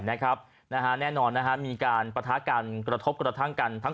นะครับนะฮะแน่นอนนะฮะมีการประทาการกระทบกระทั่งกันทั้ง